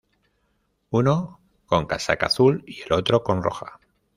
Uno con casaca azul y el otro con roja.